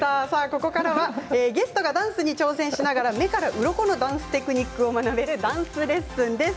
ここからはゲストがダンスに挑戦しながら目からうろこのダンステクニックを学べるダンスレッスンです。